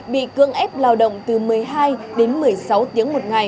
bị cương ép lao động từ một mươi hai đến một mươi sáu